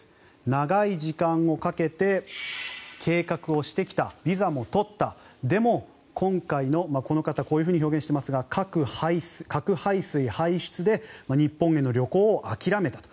長い時間をかけて計画をしてきたビザも取ったでも、今回のこの方はこう表現していますが核廃水排出で日本への旅行を諦めたと。